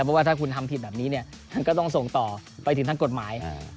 เพราะว่าถ้าคุณทำผิดแบบนี้เนี่ยมันก็ต้องส่งต่อไปถึงทางกฎหมาย